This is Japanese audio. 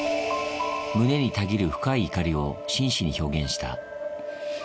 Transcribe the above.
胸にたぎる深い怒りを真摯に表現した。